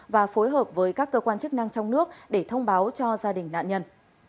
và phối hợp với các cơ quan chức năng trong nước để thông báo cho gia đình nạn nhân